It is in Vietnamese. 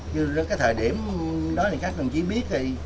như cái thời điểm đó thì các đồng chí biết thì